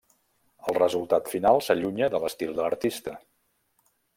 El resultat final s'allunya de l'estil de l’artista.